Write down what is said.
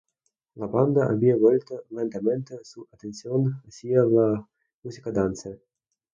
La banda había vuelto lentamente su atención hacia la música dance.